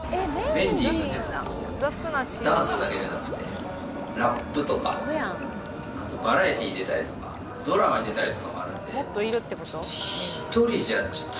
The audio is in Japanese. メンディーがダンスだけじゃなくてラップとかあとバラエティーに出たりとかドラマに出たりとかもあるんで。